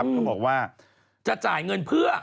เขาบอกว่าจะจ่ายเงินเพื่อ